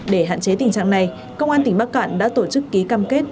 để hạn chế tình trạng này công an tỉnh bắc cạn đã tổ chức ký cam kết